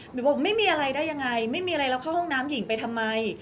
บอกไม่มีอะไรได้ยังไงไม่มีอะไรแล้วเข้าห้องน้ำหญิงไปทำไม